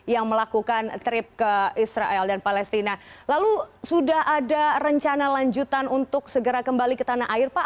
yang melakukan trip ke israel dan palestina lalu sudah ada rencana lanjutan untuk segera kembali ke tanah air pak